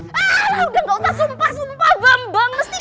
ah udah gak usah sumpah sumpah bambang mesti kamu